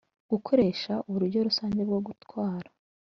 Gukoresha uburyo rusange bwo gutwara